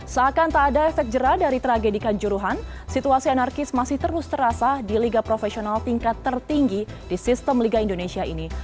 seakan tak ada efek jerah dari tragedikan juruhan situasi anarkis masih terus terasa di liga profesional tingkat tertinggi di sistem liga indonesia ini